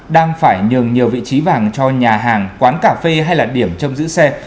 đang phải nhường nhiều vị trí vàng cho nhà hàng quán cà phê hay là điểm trông giữ xe